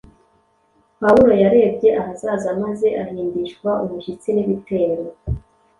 Pawulo yarebye ahazaza maze ahindishwa umushitsi n’ibitero